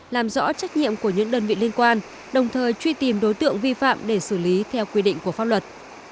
làm rõ trách nhiệm của những đơn vị liên quan đồng thời truy tìm đối tượng vi phạm để xử lý theo quy định của pháp luật